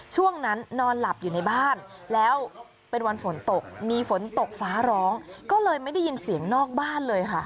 ช่วงนั้นนอนหลับอยู่ในบ้านแล้วเป็นวันฝนตกมีฝนตกฟ้าร้องก็เลยไม่ได้ยินเสียงนอกบ้านเลยค่ะ